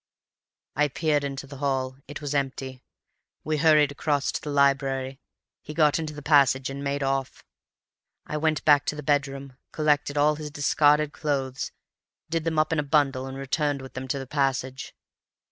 "I peered into the hall. It was empty. We hurried across to the library; he got into the passage and made off. I went back to the bedroom, collected all his discarded clothes, did them up in a bundle and returned with them to the passage.